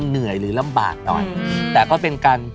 เหนื่อยหรือลำบากหน่อยแต่ก็เป็นการ